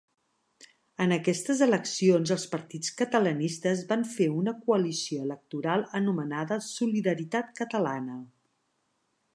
En aquestes eleccions els partits catalanistes van fer una coalició electoral anomenada Solidaritat Catalana.